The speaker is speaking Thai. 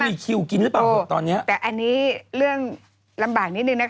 เอาข่าวคุณเรื่องบางนิดหนึ่งนะคะ